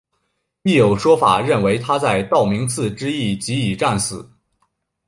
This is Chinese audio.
亦有说法认为他在道明寺之役即已战死。